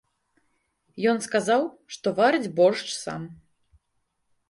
Ён сказаў, што варыць боршч сам.